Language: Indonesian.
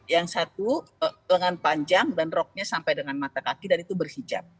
yang satu lengan panjang dan roknya sampai dengan mata kaki dan itu berhijab